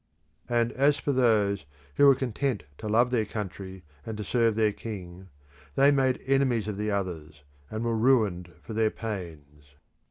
And as for those who were content to love their country and to serve their king, they made enemies of the others, and were ruined for their pains.